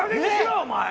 お前。